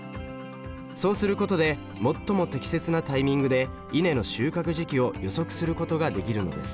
そうすることで最も適切なタイミングで稲の収穫時期を予測することができるのです。